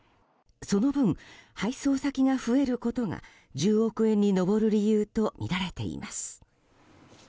その分、配送先が増えることが１０億円に上る理由とみられています。